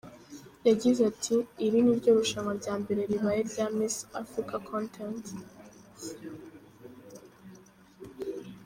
Yagize ati “Iri ni ryo rushanwa rya mbere ribaye rya Miss Africa Content.